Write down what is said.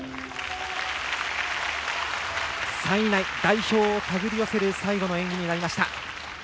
３位以内、代表を手繰り寄せる最後の演技になりました。